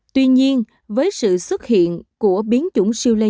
tuy nhiên với sự xuất hiện của biến chủng siêu lây